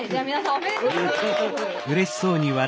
おめでとうございます。